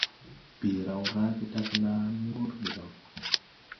Bii raw raage tagla la ni wur debaŋ.